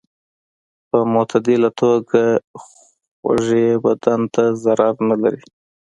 په معتدله توګه خوږې بدن ته ضرر نه لري.